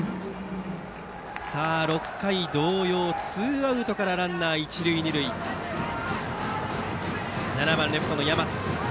さあ、６回同様ツーアウトからランナー、一塁二塁で７番レフトの山戸。